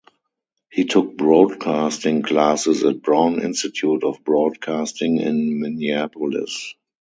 He took broadcasting classes at Brown Institute of Broadcasting in Minneapolis.